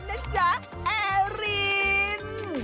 นั้นจ๊ะแอริน